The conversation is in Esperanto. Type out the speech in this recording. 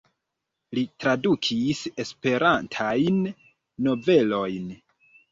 Li tradukis Esperantajn novelojn.